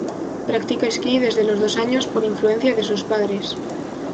Practica esquí desde los dos años por influencia de sus padres.